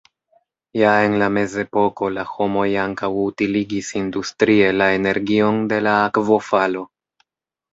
Ja en la mezepoko la homoj ankaŭ utiligis industrie la energion de la akvofalo.